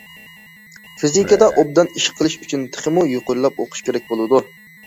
فىزىكىدا ئوبدان ئىش قىلىش ئۈچۈن تېخىمۇ يۇقىرىلاپ ئوقۇش كېرەك بولىدۇ.